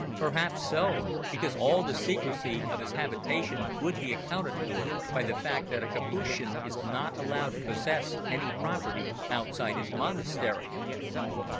Perhaps so, because all the secrecy of his habitation would be accounted for by the fact that a Capuchin is not allowed to possess any property outside his monastery.